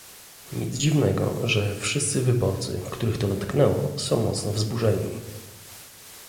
Nic dziwnego, że wszyscy wyborcy, których to dotknęło, są mocno wzburzeni